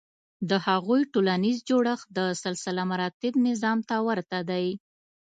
د هغوی ټولنیز جوړښت د سلسلهمراتب نظام ته ورته دی.